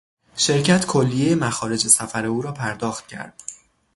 شرکت کلیهی مخارج سفر او را پرداخت کرد.